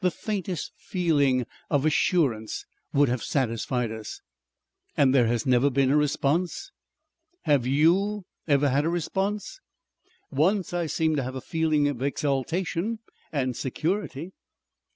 The faintest feeling of assurance would have satisfied us." "And there has never been a response?" "Have YOU ever had a response?" "Once I seemed to have a feeling of exaltation and security."